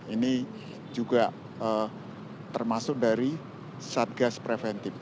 ini juga termasuk dari satgas preventif